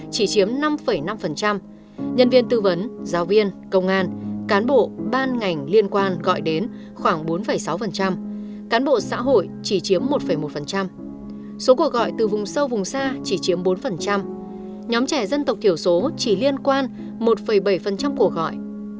chỉ chiếm năm năm nhân viên tư vấn giáo viên công an cán bộ ban ngành liên quan gọi đến khoảng bốn sáu cán bộ xã hội chỉ chiếm một một số cuộc gọi từ vùng sâu vùng xa chỉ chiếm bốn nhóm trẻ dân tộc thiểu số chỉ liên quan một bảy cuộc gọi